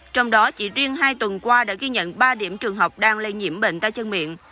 trong đó chỉ riêng hai tuần qua đã ghi nhận ba điểm trường học đang lây nhiễm bệnh tay chân miệng